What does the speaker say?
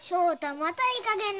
またいいかげんな。